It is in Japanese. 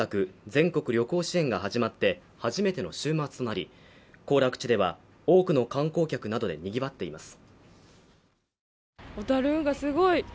全国旅行支援が始まって初めての週末となり行楽地では多くの観光客などでにぎわっています